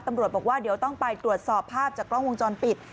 ตำรวจบอกว่าเดี๋ยวต้องไปตรวจสอบภาพจากกล้องวงจรปิด